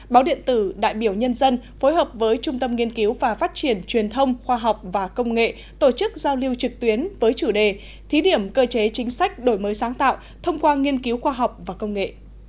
báo điện tử đại biểu nhân dân phối hợp với trung tâm nghiên cứu và phát triển truyền thông khoa học và công nghệ tổ chức giao lưu trực tuyến với chủ đề thí điểm cơ chế chính sách đổi mới sáng tạo thông qua nghiên cứu khoa học và công nghệ